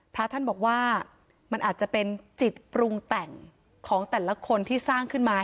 พระท่านบอกว่ามันอาจจะเป็นจิตปรุงแต่งของแต่ละคนที่สร้างขึ้นมา